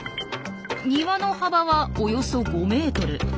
庭の幅はおよそ５ｍ。